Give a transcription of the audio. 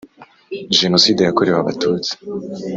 Genoside yakorewe abatutsi